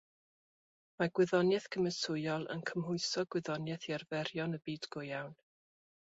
Mae gwyddoniaeth gymhwysol yn cymhwyso gwyddoniaeth i arferion y byd go iawn.